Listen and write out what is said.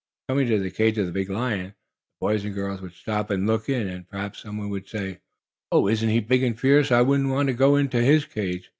Coming to the cage of the big lion, the boys and girls would stop and look in, and perhaps some one would say: "Oh, isn't he big and fierce! I wouldn't want to go into his cage!"